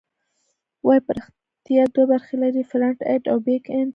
ویب پراختیا دوه برخې لري: فرنټ اینډ او بیک اینډ.